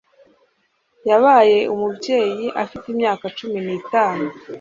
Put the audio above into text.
Yabaye umubyeyi afite imyaka cumi nitanu